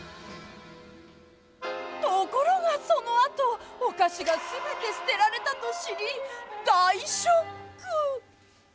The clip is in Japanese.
ところが、そのあとお菓子がすべて捨てられたと知り大ショック。